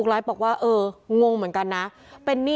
ก็กลายเป็นว่าติดต่อพี่น้องคู่นี้ไม่ได้เลยค่ะ